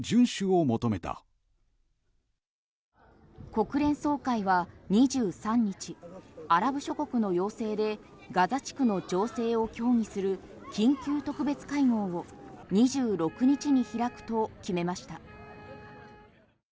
国連総会は２３日、アラブ諸国の要請でガザ地区の情勢を協議する緊急特別会合を２６日に開くと決めました。